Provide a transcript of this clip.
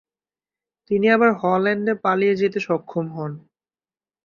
তিনি আবার হল্যান্ডে পালিয়ে যেতে সক্ষম হন।